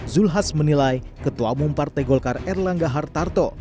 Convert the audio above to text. zulhas menilai ketua umum partai golkar air langga hartarto